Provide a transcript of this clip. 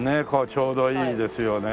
ちょうどいいですよね。